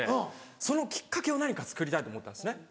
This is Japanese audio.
そのきっかけを何かつくりたいと思ったんですね。